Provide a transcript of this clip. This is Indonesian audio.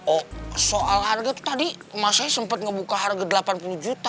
oh soal harga tadi mas saya sempat ngebuka harga delapan puluh juta